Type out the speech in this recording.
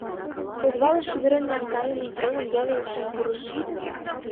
Подвалыш шӱдырен наҥгайымышт годым веле ушем пурыш.